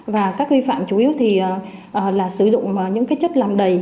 và các vi phạm chủ yếu thì là sử dụng những cái chất làm đầy